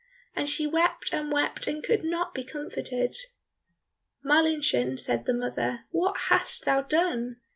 and she wept and wept and could not be comforted. "Marlinchen," said the mother, "what hast thou done?